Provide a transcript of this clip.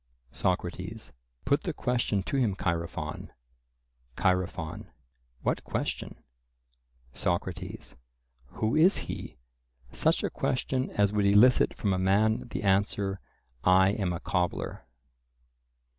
SOCRATES: Put the question to him, Chaerephon. CHAEREPHON: What question? SOCRATES: Who is he?—such a question as would elicit from a man the answer, "I am a cobbler."